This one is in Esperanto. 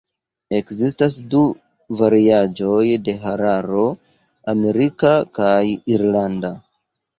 Ekzistas du variaĵoj de hararo: Amerika kaj Irlanda.